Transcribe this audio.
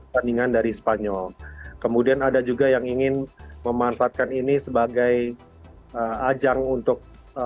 bandingan dari spanyol kemudian ada juga yang ingin memanfaatkan ini sebagai ajang untuk